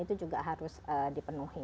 itu juga harus dipenuhi